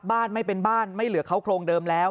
บ้านไม่เป็นบ้านไม่เหลือเขาโครงเดิมแล้ว